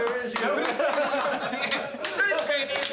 １人しかいねぇし。